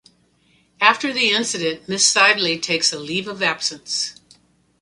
After the incident, Miss Sidley takes a leave of absence.